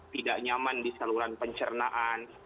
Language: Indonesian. tidak nyaman di saluran pencernaan